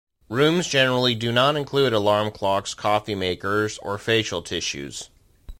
Rooms generally do not include alarm clocks, coffee makers, or facial tissues.